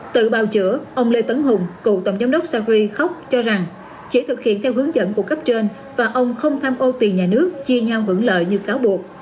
tự bào chữa ông lê tấn hùng cựu tổng giám đốc sacri khóc cho rằng chỉ thực hiện theo hướng dẫn của cấp trên và ông không tham ô tiền nhà nước chia nhau hưởng lợi như cáo buộc